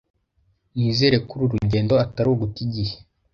Nizere ko uru rugendo atari uguta igihe.